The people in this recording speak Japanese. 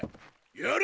やれ！